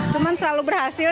cuma selalu berhasil